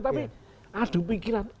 tapi aduh pikiran